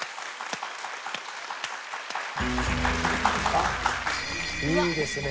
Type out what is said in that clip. あっいいですね。